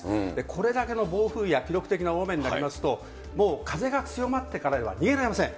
これだけの暴風や記録的な大雨になりますと、もう風が強まってからでは逃げられません。